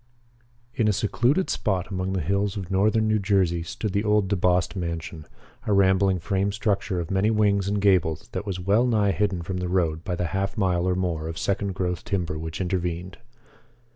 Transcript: ] In a secluded spot among the hills of northern New Jersey stood the old DeBost mansion, a rambling frame structure of many wings and gables that was well nigh hidden from the road by the half mile or more of second growth timber which intervened.